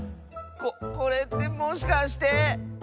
ここれってもしかして。